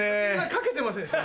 かけてませんでした？